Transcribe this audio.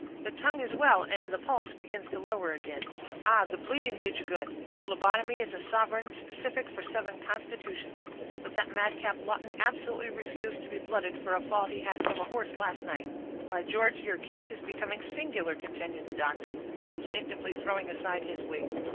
"The tongue is well, and the pulse begins to lower again. Ah! the bleeding did you good. Phlebotomy is a sovereign specific for southern constitutions. But that madcap Lawton absolutely refused to be blooded for a fall he had from his horse last night. Why, George, your case is becoming singular," continued the doctor, instinctively throwing aside his wig.